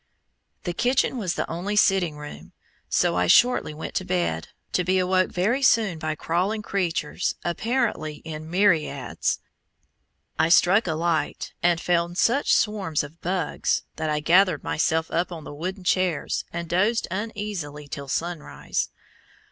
The kitchen was the only sitting room, so I shortly went to bed, to be awoke very soon by crawling creatures apparently in myriads. I struck a light, and found such swarms of bugs that I gathered myself up on the wooden chairs, and dozed uneasily till sunrise.